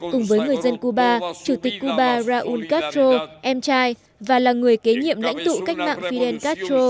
cùng với người dân cuba chủ tịch cuba raúl castro em trai và là người kế nhiệm lãnh tụ cách mạng fidel castro